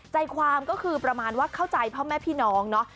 ใจความก็คือประมาณว่าเข้าใจพ่อแม่พี่น้องเนาะ